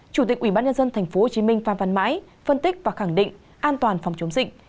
chủ tịch ủy ban nhân dân thành phố hồ chí minh phan văn mãi phân tích và khẳng định an toàn phòng chống dịch